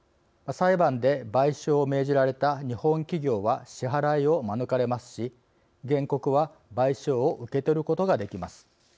裁判で賠償を命じられた日本企業は支払いを免れますし原告は賠償を受け取ることができます。